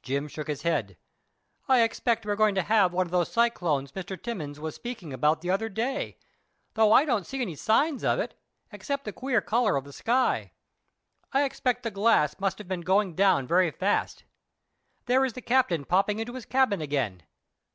Jim shook his head. "I expect we are going to have one of those cyclones Mr. Timmins was speaking about the other day, though I don't see any signs of it, except the queer colour of the sky. I expect the glass must have been going down very fast. There is the captain popping into his cabin again.